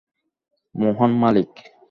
মোহন - মালিক?